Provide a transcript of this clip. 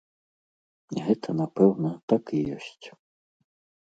Гэта, напэўна, так і ёсць.